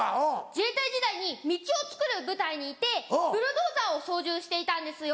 自衛隊時代に道をつくる部隊にいてブルドーザーを操縦していたんですよ。